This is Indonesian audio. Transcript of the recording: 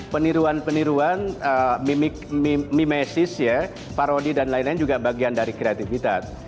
peniruan peniruan mimesis parodi dan lain lain juga bagian dari kreativitas